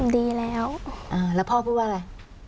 ดีแล้วแล้วพ่อพูดว่าอะไร